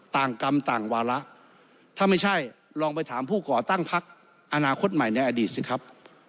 กรรมต่างวาระถ้าไม่ใช่ลองไปถามผู้ก่อตั้งพักอนาคตใหม่ในอดีตสิครับ